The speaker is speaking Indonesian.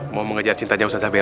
mau mengejar cintanya ustaz zabela